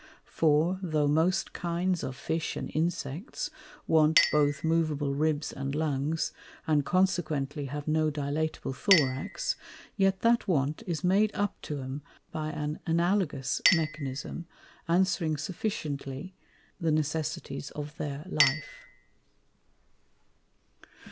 For, tho' most kinds of Fish and Insects, want both moveable Ribs and Lungs, and consequently have no dilatable Thorax, yet that want is made up to 'em by an Analogous Mechanism, answering sufficiently the Necessities of their Life.